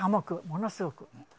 ものすごく。